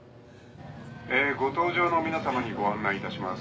えーご搭乗の皆さまにご案内いたします。